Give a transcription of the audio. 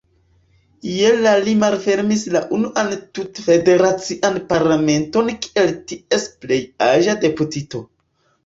Je la li malfermis la unuan tut-federacian parlamenton kiel ties plej-aĝa deputito.